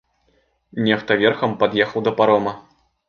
Нехта верхам пад'ехаў да парома.